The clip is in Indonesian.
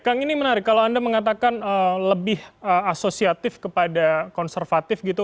kang ini menarik kalau anda mengatakan lebih asosiatif kepada konservatif gitu